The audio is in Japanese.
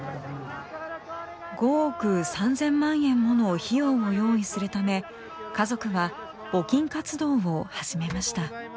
５億３０００万円もの費用を用意するため家族は募金活動を始めました。